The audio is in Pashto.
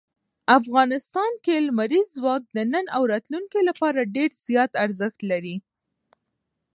افغانستان کې لمریز ځواک د نن او راتلونکي لپاره ډېر زیات ارزښت لري.